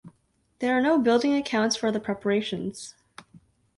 There are no building accounts for the preparations.